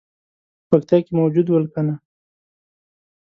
په پکتیا کې موجود ول کنه.